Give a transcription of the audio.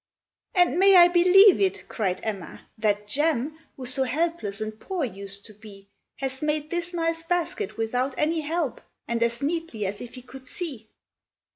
"And may I believe it," cried Emma, "that Jem, Who so helpless and poor us'd to be, Has made this nice basket without any help, And as neatly as if he could see?"